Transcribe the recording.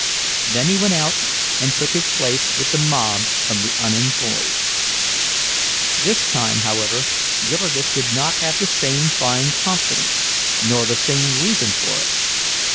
Then he went out and took his place with the mob of the unemployed. This time, however, Jurgis did not have the same fine confidence, nor the same reason for it.